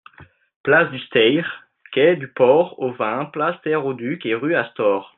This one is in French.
Place du Steïr, quai du Port au Vin, place Terre au Duc et rue Astor.